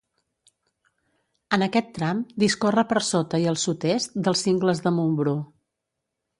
En aquest tram discorre per sota i al sud-est dels Cingles de Montbrú.